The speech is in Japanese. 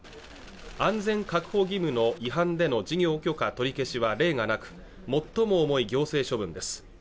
安全確保義務の違反での事業許可取り消しは例がなく最も重い行政処分です